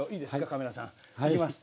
カメラさん。いきます。